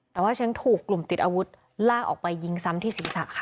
แต่ว่าฉันถูกกลุ่มติดอาวุธลากออกไปยิงซ้ำที่ศีรษะค่ะ